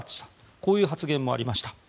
こういう発言もありました。